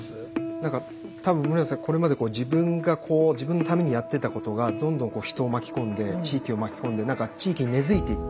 なんか多分室屋さんこれまで自分のためにやってたことがどんどん人を巻き込んで地域を巻き込んでなんか地域に根づいていって。